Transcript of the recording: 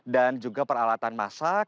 dan juga peralatan masal